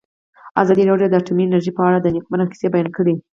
ازادي راډیو د اټومي انرژي په اړه د نېکمرغۍ کیسې بیان کړې.